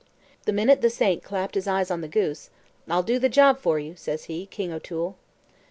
The minute the saint clapt his eyes on the goose, "I'll do the job for you," says he, "King O'Toole."